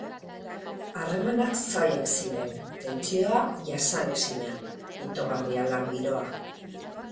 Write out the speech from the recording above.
Harremanak zailak ziren, tentsioa jasanezina, itogarria lan giroa.